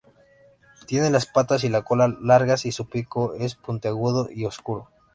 Tiene las patas y la cola largas, y su pico es puntiagudo y oscuro.